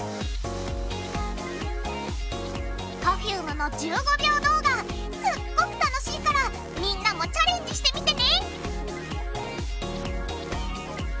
Ｐｅｒｆｕｍｅの１５秒動画すっごく楽しいからみんなもチャレンジしてみてね！